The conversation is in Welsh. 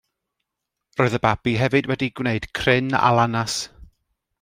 Roedd y babi hefyd wedi gwneud cryn alanas.